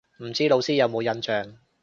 唔知老師有冇印象